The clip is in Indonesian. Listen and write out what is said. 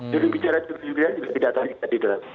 judul bicara juga tidak terluka di dalam